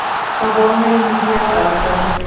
خبرونه یې مېډیا خپاره کړل.